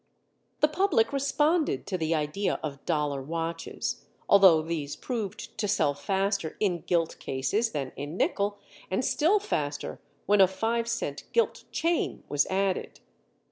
The public responded to the idea of dollar watches, although these proved to sell faster in gilt cases than in nickel, and still faster when a five cent gilt chain was added.